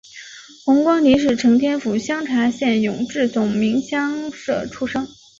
洪光迪是承天府香茶县永治总明乡社出生。